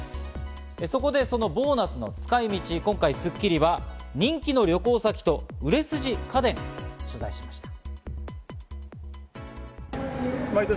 そこでボーナスの使い道、今回『スッキリ』は人気の旅行先と売れ筋家電を取材しました。